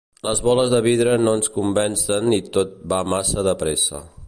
Les boles de vidre no ens convencen i tot va massa de pressa.